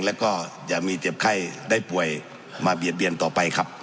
แล้วก็อย่ามีเจ็บไข้ได้ป่วยมาเบียดเบียนต่อไปครับ